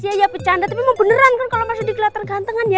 coba bercanda tapi mau beneran kan kalau masuk di kelihatan gantengan ya